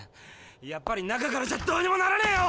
やっぱり中からじゃどうにもならねえよ。